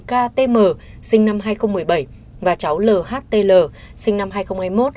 ktm sinh năm hai nghìn một mươi bảy và cháu lhtl sinh năm hai nghìn hai mươi một